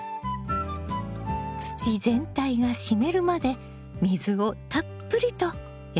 土全体が湿るまで水をたっぷりとやってね。